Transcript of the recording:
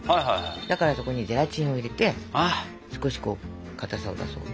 だからそこにゼラチンを入れて少し硬さを出そうと。